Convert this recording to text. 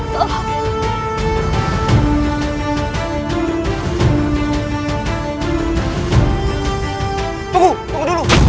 tunggu tunggu dulu